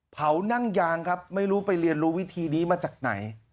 เผานั่งยางครับไม่รู้ไปเรียนรู้วิธีนี้มาจากไหน